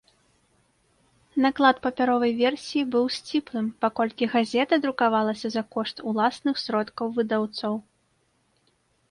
Наклад папяровай версіі быў сціплым, паколькі газета друкавалася за кошт уласных сродкаў выдаўцоў.